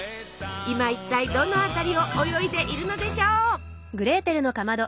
今一体どの辺りを泳いでいるのでしょう？